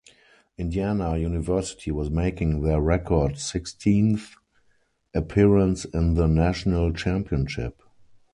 Indiana University was making their record sixteenth appearance in the national championship.